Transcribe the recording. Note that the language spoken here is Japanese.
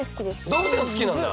動物園好きなんだ。